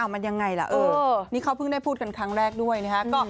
มันยังไงล่ะนี่เขาเพิ่งได้พูดกันครั้งแรกด้วยนะฮะ